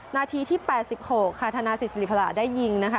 นาทีที่๘๖ค่ะธนาศิษริพระได้ยิงนะคะ